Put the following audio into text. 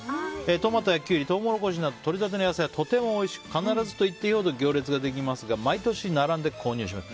トマトやキュウリトウモロコシなどとれたての野菜はとてもおいしく必ずと言っていいほど行列ができますが毎年並んで購入します。